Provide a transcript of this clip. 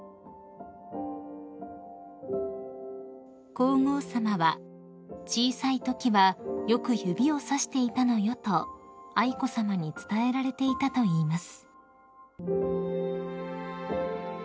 ［皇后さまは「小さいときはよく指を指していたのよ」と愛子さまに伝えられていたといいます］